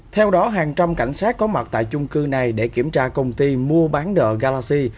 theo đó hàng trăm cảnh sát có mặt tại chung cư này để kiểm tra công ty mua bán nợ galaxy